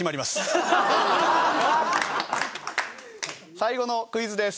最後のクイズです。